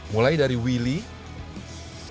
mulai dari wheelie